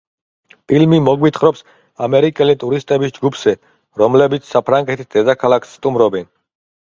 ფილმი მოგვითხრობს ამერიკელი ტურისტების ჯგუფზე, რომლებიც საფრანგეთის დედაქალაქს სტუმრობენ.